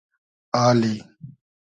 آلی